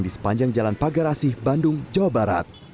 di sepanjang jalan pagar asih bandung jawa barat